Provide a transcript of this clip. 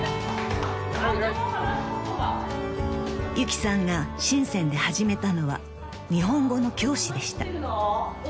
［ゆきさんが深で始めたのは日本語の教師でした］